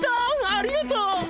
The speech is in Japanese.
ありがとう！